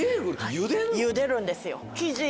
茹でるんですよ。